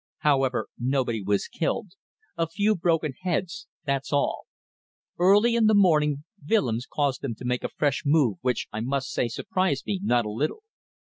However, nobody was killed. A few broken heads that's all. Early in the morning Willems caused them to make a fresh move which I must say surprised me not a little.